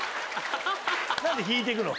何で引いてくの？